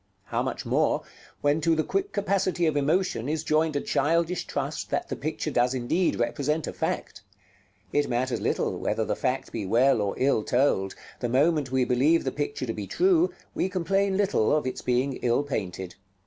How much more, when to the quick capacity of emotion is joined a childish trust that the picture does indeed represent a fact! it matters little whether the fact be well or ill told; the moment we believe the picture to be true, we complain little of its being ill painted.